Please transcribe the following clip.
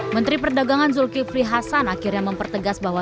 menteri perdagangan zulkifli hasan akhirnya mempertegas bahwa